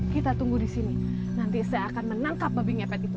kita tunggu di sini nanti saya akan menangkap babi ngepet itu